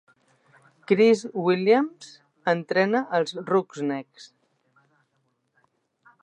Chris Williams entrena els Roughnecks.